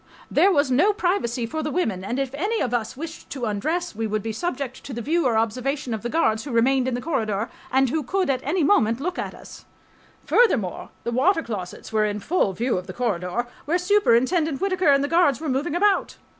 There was no privacy for the women, and if any of us wished to undress we would be subject to the view or observation of the guards who remained in the corridor and who could at any moment look at us .... Furthermore, the water closets were in full view of the corridor where Superintendent Whittaker and the guards were moving about.